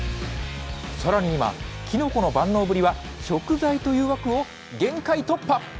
さらに今、キノコの万能ぶりは、食材という枠を限界突破。